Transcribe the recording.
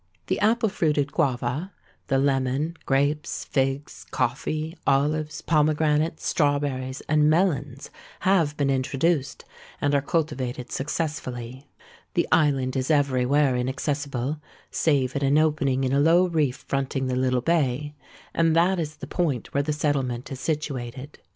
The apple fruited guava, the lemon, grapes, figs, coffee, olives, pomegranates, strawberries, and melons have been introduced, and are cultivated successfully. The island is every where inaccessible, save at an opening in a low reef fronting the little bay; and that is the point where the settlement is situated.